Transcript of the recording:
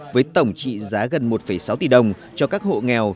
với tổng trị giá gần một sáu tỷ đồng cho các hộ nghèo